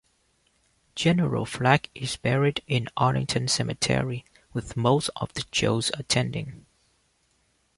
General Flagg is buried in Arlington Cemetery, with most of the Joes attending.